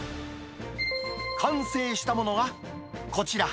完成したものがこちら。